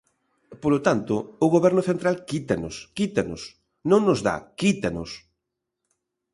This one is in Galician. Polo tanto, o Goberno central quítanos, quítanos; non nos dá, quítanos.